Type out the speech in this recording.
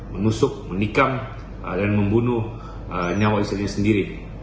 menusuk menikam dan membunuh nyawa istrinya sendiri